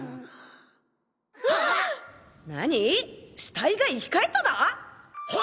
死体が生き返っただぁ！？